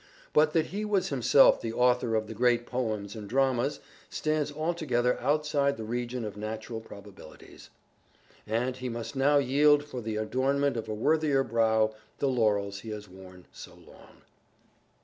But that he was himself the author of the great poems and dramas stands altogether outside the region of natural probabilities, and he must now yield for the adornment of a worthier brow the laurels he has worn so long.